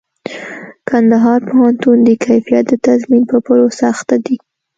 کندهار پوهنتون د کيفيت د تضمين په پروسه اخته دئ.